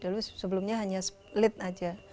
dulu sebelumnya hanya split aja